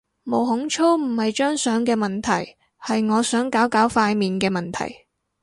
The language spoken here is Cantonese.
毛孔粗唔係張相嘅問題，係我想搞搞塊面嘅問題